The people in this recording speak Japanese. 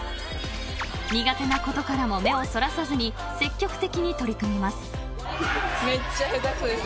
［苦手なことからも目をそらさずに積極的に取り組みます］